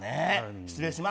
失礼します。